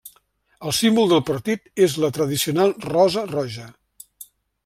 El símbol del partit és la tradicional rosa roja.